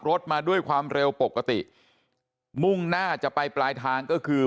รถมาด้วยความเร็วปกติมุ่งหน้าจะไปปลายทางก็คือ